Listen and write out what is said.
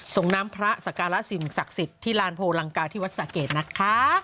ส่งน้ำพระสการะสิ่งศักดิ์สิทธิ์ที่ลานโพลังกาที่วัดสะเกดนะคะ